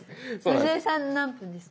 野添さん何分ですか？